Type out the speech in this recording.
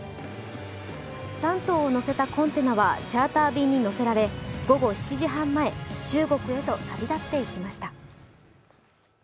３頭を乗せたコンテナはチャーター便に乗せられ午後７時半前、中国へと旅立っていきました。